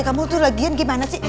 kamu tuh lagian gimana sih